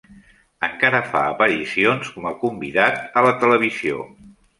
Encara fa aparicions com a convidat a la televisió.